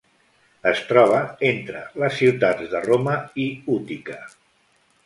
Es troba entre les ciutats de Roma i Útica.